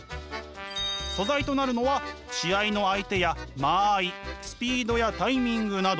素材となるのは試合の相手や間合いスピードやタイミングなど。